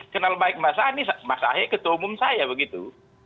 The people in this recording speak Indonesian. kenal baik mas anies mas ahy ketua umum saya begitu